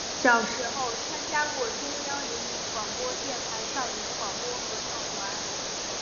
小时候参加过中央人民广播电台少年广播合唱团。